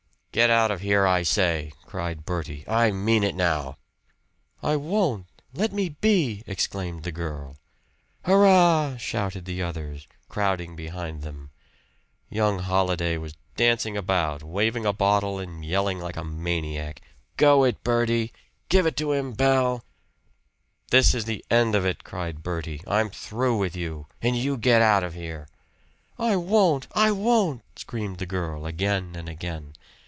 "Get out of here, I say!" cried Bertie, "I mean it now." "I won't! Let me be!" exclaimed the girl. "Hurrah!" shouted the others, crowding behind them. Young Holliday was dancing about, waving a bottle and yelling like a maniac, "Go it, Bertie! Give it to him, Belle!" "This is the end of it!" cried Bertie. "I'm through with you. And you get out of here!" "I won't! I won't!" screamed the girl again and again.